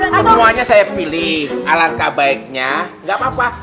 semuanya saya pilih alangkah baiknya nggak apa apa